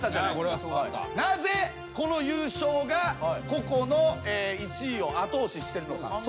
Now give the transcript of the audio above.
なぜこの優勝がココの１位を後押ししてるのか。